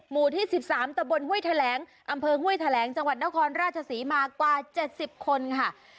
หมู่ที่๑๓ตะบนห้วยแถลงอำเภอห้วยแถลงจังหวัดนครราชศรีมากว่า๗๐คนค่ะ